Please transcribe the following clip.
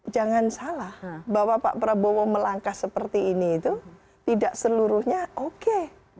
jangan salah bahwa pak prabowo melangkah seperti ini itu tidak seluruhnya oke